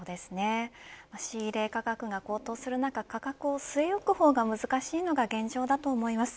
仕入れ価格が高騰する中価格を据え置く方が難しいのが現状だと思います。